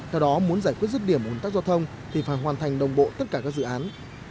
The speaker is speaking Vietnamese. theo đó muốn giải quyết rứt điểm ủn tắc giao thông thì phải hoàn thành đồng bộ tất cả các dự án